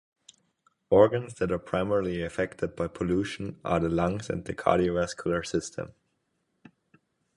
Organs that are primarily affected by pollution are the lungs and the cardiovascular system.